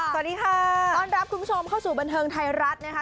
สวัสดีค่ะต้อนรับคุณผู้ชมเข้าสู่บันเทิงไทยรัฐนะคะ